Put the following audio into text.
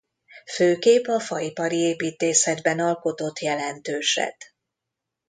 Főképp a faipari építészetben alkotott jelentőset.